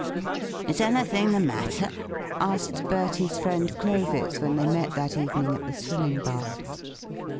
"Is anything the matter?" asked Bertie's friend Clovis when they met that evening at the swimming bath.